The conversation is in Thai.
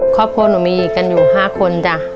ครอบครัวหนูมีกันอยู่๕คนจ้ะ